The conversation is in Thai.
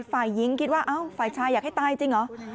ฝ่ายหญิงคิดว่าเอ้าฝ่ายชายอยากให้ตายจริงเหรอ